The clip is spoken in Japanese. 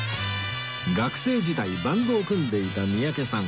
学生時代バンドを組んでいた三宅さん